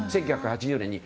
１９８０年に